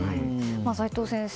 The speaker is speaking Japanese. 齋藤先生